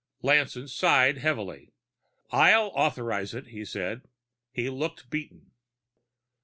Lanson sighed heavily. "I'll authorize it," he said. He looked beaten.